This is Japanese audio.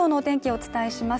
お伝えします